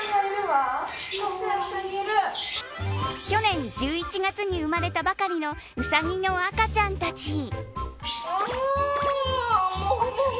去年１１月に生まれたばかりのウサギの赤ちゃんたち。